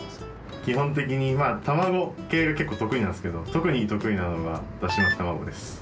基本的にまあ卵系が結構得意なんですけど特に得意なのがだし巻き卵です。